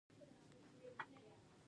دلته څه که یې